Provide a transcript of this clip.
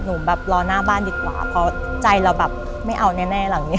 หนูแบบรอหน้าบ้านดีกว่าเพราะใจเราแบบไม่เอาแน่หลังเนี้ย